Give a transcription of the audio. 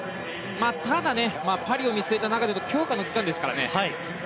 ただ、パリを見据えた強化の期間ですから。